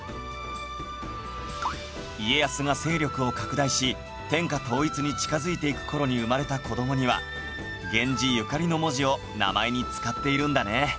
家康が勢力を拡大し天下統一に近づいていく頃に生まれた子どもには源氏ゆかりの文字を名前に使っているんだね